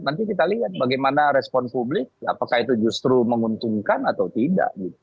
nanti kita lihat bagaimana respon publik apakah itu justru menguntungkan atau tidak